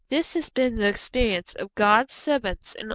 This has been the experience of God's servants in all times.